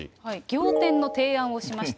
仰天の提案をしました。